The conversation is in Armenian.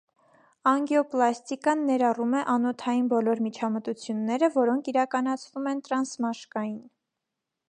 Անգիոպլաստիկան ներառում է անոթային բոլոր միջամտությունները որոնք իրականացվում են տրանսմաշկային։